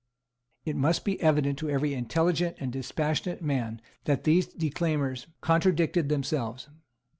It must be evident to every intelligent and dispassionate man that these declaimers contradicted themselves.